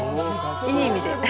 いい意味で。